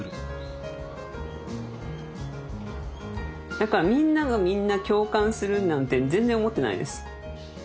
何かみんながみんな共感するなんて全然思ってないです。